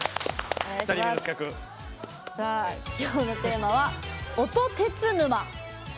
きょうのテーマは音鉄沼。